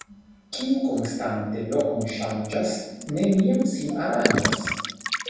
Kiu konstante lokon ŝanĝas, neniam sin aranĝas.